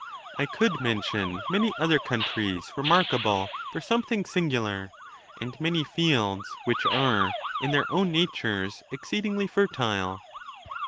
I could mention many other countries remarkable for something singular, and many fields, which are, in their own natures, exceedingly fertile.